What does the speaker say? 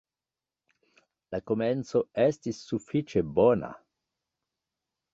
La komenco estis sufiĉe bona.